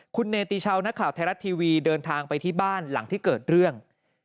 คุณเนติชาวนักข่าวไทยรัฐทีวีเดินทางไปที่บ้านหลังที่เกิดเรื่อง